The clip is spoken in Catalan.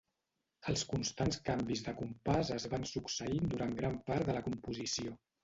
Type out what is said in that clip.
Els constants canvis de compàs es van succeint durant gran part de la composició.